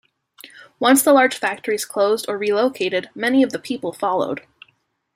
Once the large factories closed or relocated, many of the people followed.